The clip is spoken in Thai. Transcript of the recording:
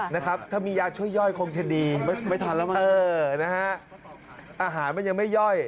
ถ้ามียาช่วยย่อยคงจะดีไม่ทันแล้วมันอาหารมันยังไม่ย่อย